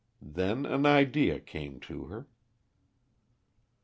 Then an idea came to her.